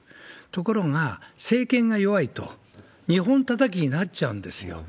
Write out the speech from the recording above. ところが、政権が弱いと、日本たたきになっちゃうんですよ。